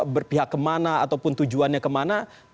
berpihak kemana ataupun tujuannya kemana